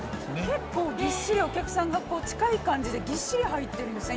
結構ぎっしりお客さんがこう近い感じでぎっしり入ってるんですね